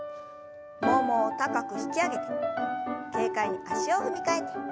ももを高く引き上げて軽快に足を踏み替えて。